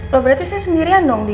loh berarti saya sendirian dong